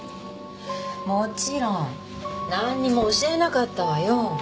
もちろんなんにも教えなかったわよ。